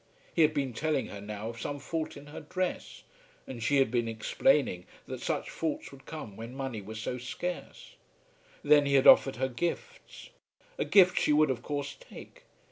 He had been telling her now of some fault in her dress, and she had been explaining that such faults would come when money was so scarce. Then he had offered her gifts. A gift she would of course take.